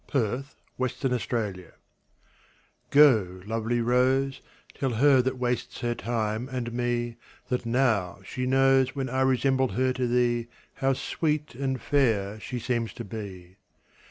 Y Z Go, Lovely Rose GO, lovely Rose, Tell her that wastes her time and me, That now she knows, When I resemble her to thee, How sweet and fair she seems to be.